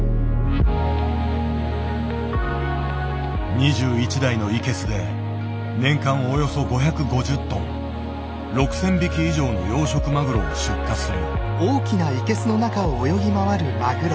２１台のイケスで年間およそ５５０トン６，０００匹以上の養殖マグロを出荷する。